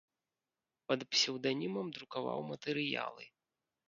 Пад псеўданімам друкаваў матэрыялы.